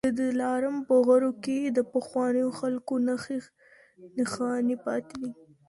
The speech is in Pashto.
د دلارام په غرو کي د پخوانيو خلکو نښې نښانې پاتې دي